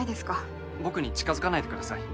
僕に近づかないでください。